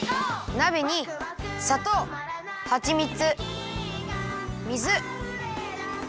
なべにさとうはちみつ水粉